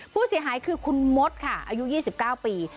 ผู้เสียหายคือคุณมดค่ะอายุ๒๙ปี